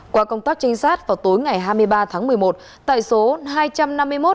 qua công tác trinh sát vào tối ngày hai mươi ba tháng một mươi một tại số hai trăm năm mươi một